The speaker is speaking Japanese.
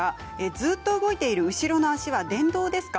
ずっと動いている後ろの足は電動ですか？